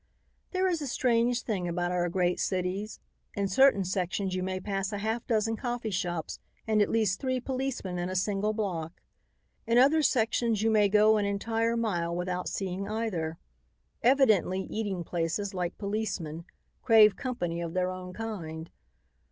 There is a strange thing about our great cities; in certain sections you may pass a half dozen coffee shops and at least three policemen in a single block; in other sections you may go an entire mile without seeing either. Evidently, eating places, like policemen, crave company of their own kind.